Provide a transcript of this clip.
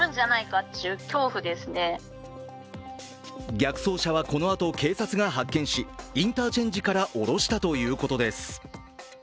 逆走車はこのあと警察が発見しインターチェンジから下ろしたということです。